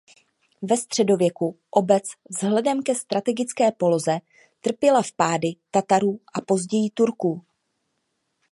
Ve středověku obec vzhledem ke strategické poloze trpěla vpády Tatarů a později Turků.